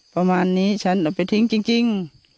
ประมาณนี้ฉันเอาไปทิ้งจริง